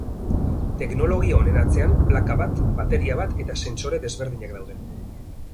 Teknologia honen atzean plaka bat, bateria bat eta sensore desberdinak daude.